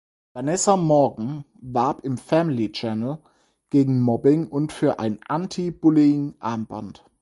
Vanessa Morgan warb im Family Channel gegen Mobbing und für ein Anti-Bullying-Armband.